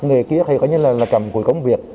người kia có nghĩa là cầm cuối công việc